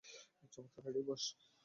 চমৎকার আইডিয়া, বস!